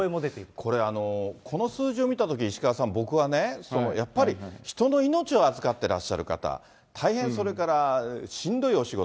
これ、この数字を見たとき石川さん、僕はね、やっぱり人の命を預かってらっしゃる方、大変、それからしんどいお仕事、